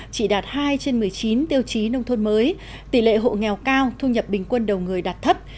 chỉ đạt hai trên một mươi chín tiêu chí nông thôn mới tỷ lệ hộ nghèo cao thu nhập bình quân đầu người đạt thấp